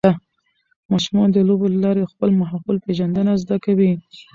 ماشومان د لوبو له لارې د خپل ماحول پېژندنه زده کوي.